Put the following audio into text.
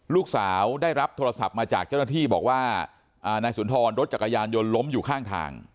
ลูกสาวได้รับโทรศัพท์มาจากเจ้าหน้าที่บอกว่านายสุนทรรถจักรยานยนต์ล้มอยู่ข้างทาง